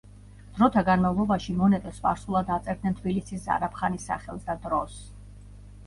დროთა განმავლობაში მონეტებს სპარსულად აწერდნენ თბილისის ზარაფხანის სახელს და დროს.